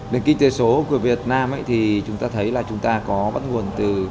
nền kinh tế số của việt nam thì chúng ta thấy là chúng ta có bắt nguồn từ